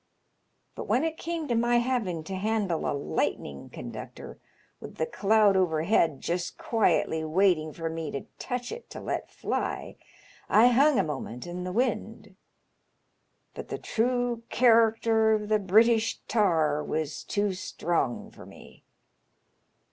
But when it came to my having to handle a lightning conductor with the cloud overhead just quietly waiting for me to touch it to let fly, I hung a moment in th' wind ; but the true character of the British tar was too strong "for me.